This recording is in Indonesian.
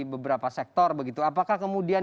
beberapa sektor begitu apakah kemudian